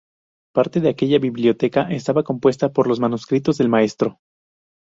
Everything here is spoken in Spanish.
Parte de aquella biblioteca estaba compuesta por los manuscritos del maestro.